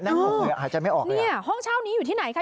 อกเลยอ่ะหายใจไม่ออกเนี่ยห้องเช่านี้อยู่ที่ไหนคะ